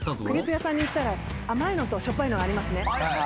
クレープ屋さんに行ったら甘いのとしょっぱいのありますね。